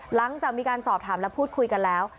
หลังจากมีการสอบถามและพูดคุยกันแล้ว